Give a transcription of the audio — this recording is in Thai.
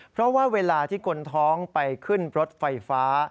เพราะว่าเวลาที่คนท้องไปขึ้นรถไฟฟ้า